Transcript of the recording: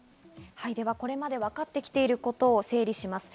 これまで分かってきていることを整理します。